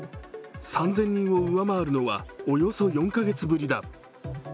３０００人を上回るのはおよそ４カ月ぶりだ。